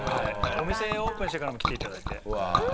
お店オープンしてからも来て頂いて。